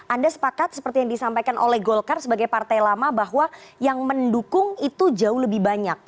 anda sepakat seperti yang disampaikan oleh golkar sebagai partai lama bahwa yang mendukung itu jauh lebih banyak